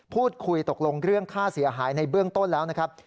พูดคุยตกลงเรื่องค่าเสียหายในเบื้องต้นแล้วนะครับ